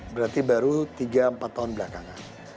berarti baru tiga empat tahun belakangan